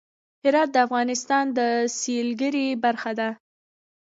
هرات د افغانستان د سیلګرۍ برخه ده.